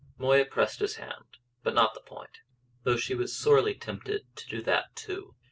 Moya pressed his hand, but not the point, though she was sorely tempted to do that too.